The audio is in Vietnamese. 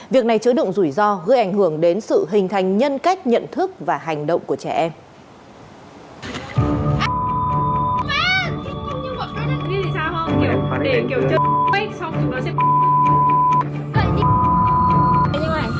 việc này chứa đựng rủi ro gây ảnh hưởng đến sự hình thành nhân cách nhận thức và hành động của trẻ em